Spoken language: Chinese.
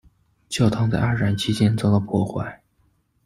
教堂在二战期间遭到破坏。